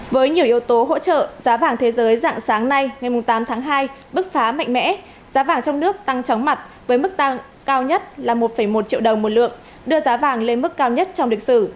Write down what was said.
với nhiều yếu tố hỗ trợ giá vàng thế giới dạng sáng nay ngày tám tháng hai bức phá mạnh mẽ giá vàng trong nước tăng chóng mặt với mức tăng cao nhất là một một triệu đồng một lượng đưa giá vàng lên mức cao nhất trong lịch sử